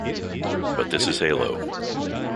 But this is Halo.